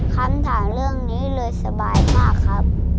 คำถามเรื่องนี้เลยสบายมากครับ